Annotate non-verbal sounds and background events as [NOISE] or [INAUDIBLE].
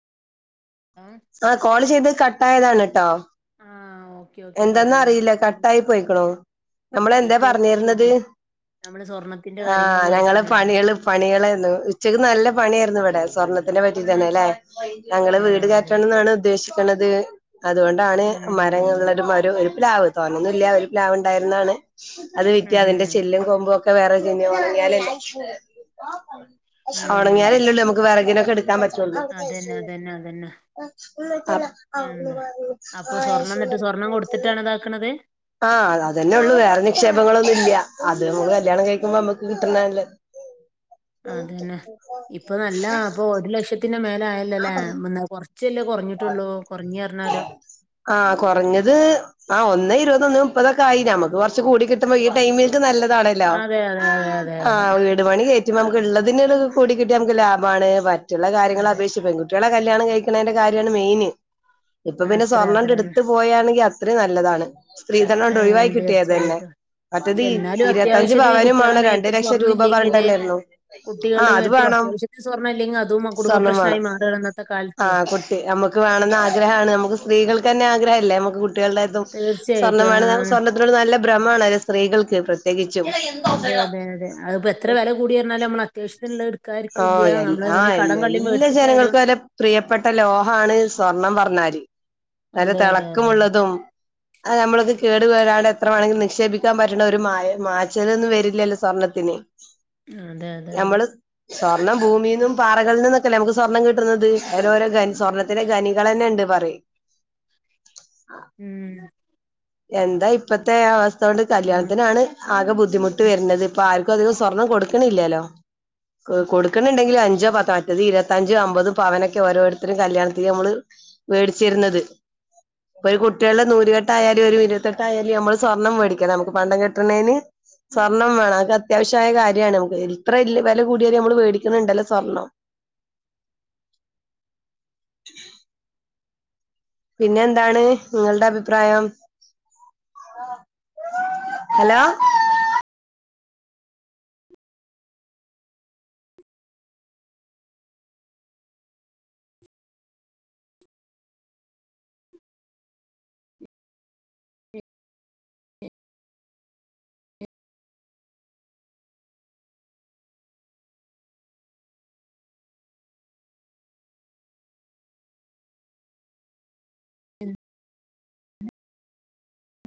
ആഹ് ആ കോള് ചെയ്ത് കട്ടായതാണ് താ ഓക്കെ ഓക്കെ എന്താ സോറി എന്ന് ആഹ് അറിയില്ല കട്ടായി പോയിക്കണോ നമ്മള എന്താ നെറ്റ്‌വർക്ക് പറഞ്ഞിരുന്നത് ഇഷ്യൂന്റെ നമ്മള് സ്വർണത്തിന്റെ ആ കാര്യങ്ങള് ഞങ്ങള് പറയുന്നല്ലോ പണികള് പണികളരുന്നു ഉച്ചക്ക് നല്ല പണിയ ഇവിടെ സ്വർണത്തിനെ പറ്റി തന്നെ അല്ലെ ഞങ്ങള് വീട് ആഹ് അതെ കേറ്റണം എന്നാണ് ഉദ്ദേശി ന്നത് അതുകൊണ്ടാണ് ഉം മരങ്ങള് ഒരു ഒരു പ്ലാവ് തോന്നൊന്നും ഇല്ല ഒരു പ്ലാവ് ഉണ്ടായിരുന്നെ ആണ് അത് ഉം വിറ്റു അതിന്റെ ഉം ചെല്ലും കൊമ്പും ഒക്കെ ക്കെ വേറെ [UNINTELLIGIBLE] അല്ലെ ഉം ഉണണങ്ങാനല്ലല്ലോ നമുക്ക് വിറകിനൊക്കെ എടുക്കാൻ പറ്റ് അതന്നെ അതന്നെ അതന്നെ [UNINTELLIGIBLE] ആഹ് പണം കൊടുത്തിട്ടാണ് അതാക്കണത് ആഹ് അ അതന്നെ ഉള്ളു വേറെ നിക്ഷേപങ്ങളൊന്നും ഇല്ല അത് നമ്മള് കല്യാണം കഴിക്കുമ്പോ നമ്മുക്ക് കിട്ടുന്നല്ലേ അതന്നെ ഇപ്പൊ നല്ല അപ്പൊ ഒരു ലക്ഷത്തി മേല ആയല്ലല്ലേ കൊറ ആഹ് കുറഞ്ഞത് ആ ഒന്നായി ഇരുന്ന് മുപ്പതൊക്ക ആയി നമക്ക് കുറച്ച് കൂ കിട്ടുമ്പോ ഈ ടൈംലേക് നല്ലതാ ഇതാണല്ലോ അതെ അതെ അതെ അതെ ആ അതെ വീടുപണി കഴിഞ്ഞിട്ട് ആഹ് നമ്മൾക്ക് ഉള്ളതിന് കുടികിട്ടിയാൽ ലാഭ വാണ് വറ്റ റ്റുള്ള കാര്യങ്ങളെ അതെ അപേക്ഷിച്ച് പെൺകുട്ടികളുടെ കാര്യാ കല്യാണം കഴിക്കുന്നന്റെ കാര്യം തൊക്കെയാണ് മെയിൻ ഇപ്പൊ പിന്നെ അത്ര സ്വർണ്ണം അങ്ങട്ട് അത്രന്നെ എടുത്ത് പോയാണെങ്കി ഇത്രയും നല്ലതാണ് സ്ത്രീധനണ്ട് ഏഹ് ഒഴിവായി കിട്ടിയത് തന്നെ തീർച്ചയായിട്ടും മറ്റത് പക്ഷെ എന്നാലും ഇരുപത്തഞ്ച് അത്യാവശ്യത്തിന് പവനും കുട്ടികളുടെ വേണം രണ്ട് മേയത്ത് ലക്ഷം സ്വർണ രൂപ ഇല്ലെങ്കില് പറഞ്ഞിട്ടല്ലായിരുന്നു കുട്ടികളുടെ ആഹ് അത് മേത്തും വേണം അത്യാവശ്യത്തിന് സ്വർണ ഇല്ലെങ്കി അതും സ്വർണം കുടുംബപ്രശ്നമായി വേണം മാറുകാണു ഇന്നത്തെ കാലതെ ആഹ് കുട്ടി നമുക്ക് വേണെന്ന് ആഗ്രഹമാണ് നമുക്ക് സ്ത്രീൾക്ക് തന്നെ ആഗ്രഹല്ലേ നമു കുട്ടികളുടേതോ സ്വർണ്ണ തീർച്ചയായിട്ടും വേണം എന്ന് പറഞ്ഞാൽ ആഹ് സ്വർണത്തിനോട് നല്ല ബ്രഹ്മാണ് സ്ത്രീകൾക്ക് പ്രത്യ അതെ അതെ അതെ അതിപ്പോ എത്ര വില കൂടി പറഞ്ഞാലും നമ്മള അത്യാവശ്യത്തിനുള്ള ആഹ് ഇടുക്കാായിരിക്കുംല്ല എ നമ്മള എങ്ങനെ ആഹ് കടം എല്ലാ കള്ളി മേടിച്ചിട്ടായാലും അാണ് സ്വർണം പറഞ്ഞാല് നല്ല അതെ തെ അതെ അതെ ളക്കമുള്ളതും ആ നമ്മളത് കേടു വരാതെ എത്ര വേണെങ്കിലും നിക്ഷേപിക്കാൻ പറ്റണ ഒരുമായ മാച്ചതൊന്നും വരില്ലല്ലോ സ്വർണത്തിന് അതെ അതെ അതെ സ്വർണം ഭൂമീന്നും പാറകളിലുന്നൊക്കെല്ലെ നമുക്ക് സ്വർണം കിട്ടുന്നത് അവരോരോ അതെ സ്വർണ്ണത്തിന്റെ ഖനികളെന്നെ ഉണ്ട് പറയ് ഉം എന്താ ഇപ്പത്തെ അവസ് സ്ഥകൊണ്ട് കല്യാണത്തിനാണ് ആകെ ബുദ്ധിമുട്ട് വരുന്നത് ഇപ്പൊ ആർക്കും അധികം സ്വർണം കൊടുക്കണില്ലല്ലോ കൊടുക്കണണ്ടെങ്കിൽ അഞ്ചോ പത്തോ മറ്റത് ഇരുപത്തഞ്ചോ അമ്പതും പവനൊക്കെ ഓരോരുത്തരും കല്യാണത്തിന് നമ്മള് മേടിച്ചിരുന്നത് ഇപ്പൊ ഒരു കുട്ടികളുടെ നൂലുകെട്ടായാ ഇനി ഒരു ഇരുപത്തെട്ടായാലും നമ്മൾ സ്വർണം മേടിക്കണം നമുക്ക് പണ്ടം കെട്ടണേന് സ്വർണം വേണം അതൊക്കെ അത്യാവശ്യമായ കാര്യമാണ് നമുക്ക് ഇത്ര വില കൂടിയാലും നമ്മള് മേടിക്കണണ്ടല്ലോ സ്വർണം പിന്നെ എന്താണ് നിങ്ങളുടെ അഭിപ്രായം ഹലോ ഉം